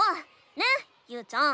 ねゆうちゃん。